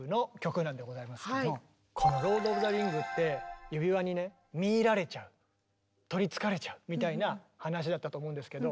この「ロード・オブ・ザ・リング」って指輪にねみいられちゃう取りつかれちゃうみたいな話だったと思うんですけど。